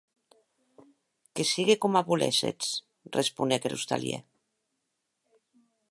Que sigue coma voléssetz, responec er ostalièr.